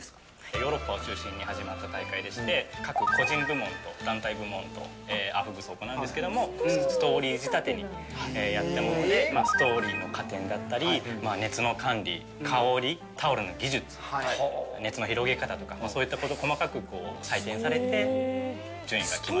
ヨーロッパを中心に始まった大会でして、各個人部門と団体部門とアウフグースを行うんですけれども、ストーリー仕立てにやったもので、ストーリーの加点だったり、熱の管理、香り、タオルの技術、熱の広げ方とか、そういったこと細かく採点されて、順位が決まる。